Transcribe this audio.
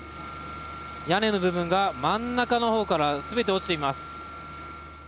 屋根の部分が真ん中の方から全て落ちています。